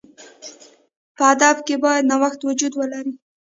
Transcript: په ادب کښي باید نوښت وجود ولري.